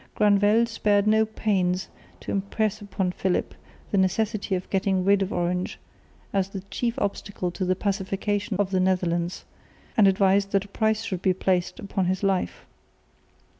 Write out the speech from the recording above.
Granvelle spared no pains to impress upon Philip the necessity of getting rid of Orange as the chief obstacle to the pacification of the Netherlands, and advised that a price should be placed upon his life.